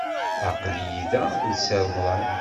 Aql-iyi da akked Si Remḍan.